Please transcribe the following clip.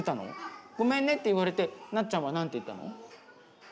ごめんねって言われてなっちゃんは何て言ったの？